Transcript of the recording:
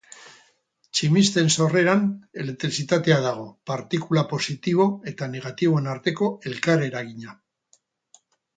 Tximisten sorreran elektrizitatea dago, partikula positibo eta negatiboen arteko elkar eragina.